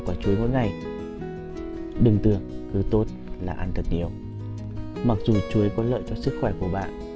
quả chuối mỗi ngày đừng tưởng cứ tốt là ăn thật nhiều mặc dù chuối có lợi cho sức khỏe của bạn